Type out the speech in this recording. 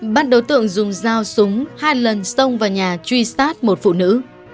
bắt đối tượng dùng dao súng hai lần xông vào nhà truy sát một phụ nữ